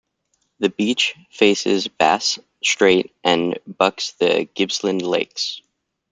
The beach faces Bass Strait and backs the Gippsland Lakes.